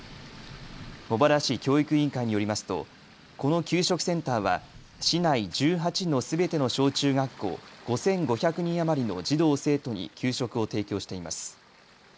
茂原市教育委員会によりますとこの給食センターは市内１８のすべての小中学校５５００人余りの児童生徒に給食を提供しています。